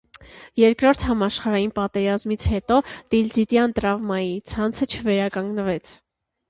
Երկրորդ համաշխարհային պատերազմից հետո տիլզիտյան տրամվայի ցանցը չվերականգնվեց։